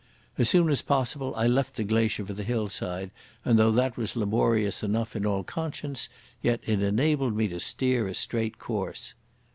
As soon as possible I left the glacier for the hillside, and though that was laborious enough in all conscience, yet it enabled me to steer a straight course.